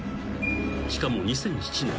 ［しかも２００７年］